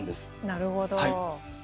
なるほど。